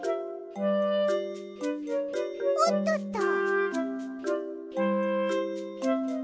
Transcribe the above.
おっとっと！